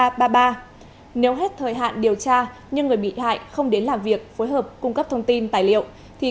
thì cơ quan cảnh sát điều tra bộ công an đề nghị những người bị hại hiện còn dư nợ trái phiếu của các pháp nhân nêu trên